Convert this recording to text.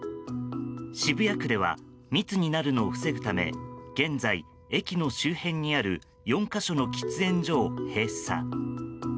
渋谷区では密になるのを防ぐため現在、駅の周辺にある４か所の喫煙所を閉鎖。